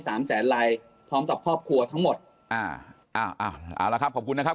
สามแสนลายพร้อมกับครอบครัวทั้งหมดอ่าอ้าวอ้าวเอาละครับขอบคุณนะครับ